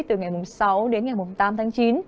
từ ngày sáu đến ngày tám tháng chín